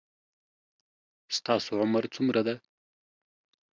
ستاسو عمر څومره ده